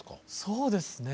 そうですね。